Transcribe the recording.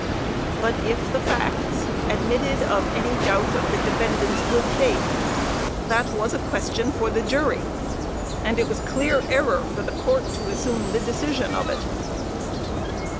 But if the facts admitted of a doubt of the defendant's good faith, that was a question for the jury, and it was clear error for the court to assume the decision of it.